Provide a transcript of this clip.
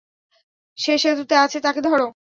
সে সেতুতে আছে, তাকে ধর!